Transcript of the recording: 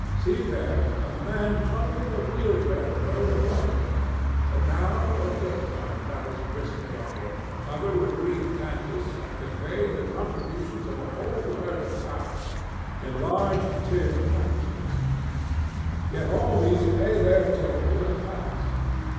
See, there, a man trundling a wheelbarrow load of lobsters. And now a milk cart rattles briskly onward, covered with green canvas and conveying the contributions of a whole herd of cows, in large tin canisters. But let all these pay their toll and pass.